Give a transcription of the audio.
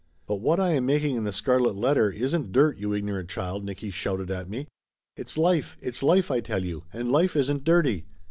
"But what I am making in The Scarlet Letter isn't dirt, you ignorant child !" Nicky shouted at me. "It's life it's life, I tell you; and life isn't dirty.